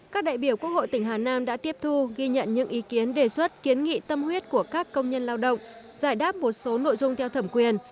các đại biểu quốc hội tỉnh hà nam đã tiếp thu ghi nhận những ý kiến đề xuất kiến nghị tâm huyết của các công nhân lao động giải đáp một số nội dung theo thẩm quyền